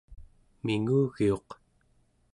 mingugiuq